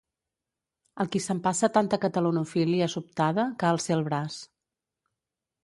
El qui s'empasse tanta catalanofília sobtada, que alce el braç.